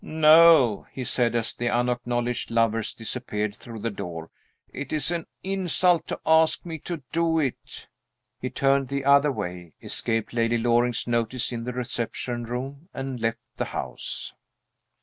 "No," he said, as the unacknowledged lovers disappeared through the door, "it is an insult to ask me to do it!" He turned the other way, escaped Lady Loring's notice in the reception room, and left the house.